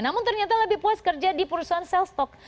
namun ternyata lebih puas kerja di perusahaan sel stok